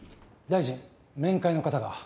大臣面会の方が。